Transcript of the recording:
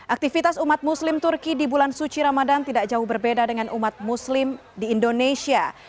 aktivitas umat muslim turki di bulan suci ramadan tidak jauh berbeda dengan umat muslim di indonesia